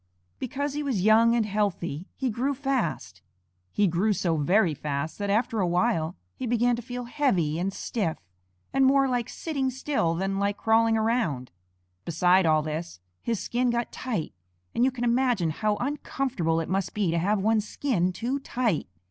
Because he was young and healthy he grew fast. He grew so very fast that after a while he began to feel heavy and stiff, and more like sitting still than like crawling around. Beside all this, his skin got tight, and you can imagine how uncomfortable it must be to have one's skin too tight.